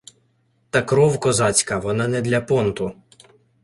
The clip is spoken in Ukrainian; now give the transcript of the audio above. Та кров козацька – вона не для понту: